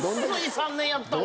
３年やったわ。